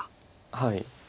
はい。